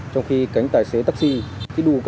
trong khi cánh tài xế taxi